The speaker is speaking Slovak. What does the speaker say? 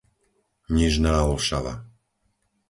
Nižná Olšava